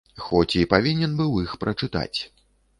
Хоць і павінен быў іх прачытаць.